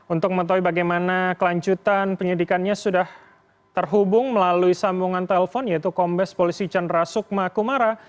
untuk mengetahui bagaimana kelanjutan penyidikannya sudah terhubung melalui sambungan telpon yaitu kombes polisi chandra sukma kumara